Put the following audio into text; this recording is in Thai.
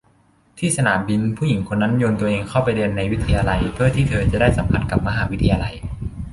ที่สนามบินผู้หญิงคนนั้นโยนตัวเองเข้าไปเรียนในวิทยาลัยเพื่อที่เธอจะได้สัมผัสกับมหาวิทยาลัย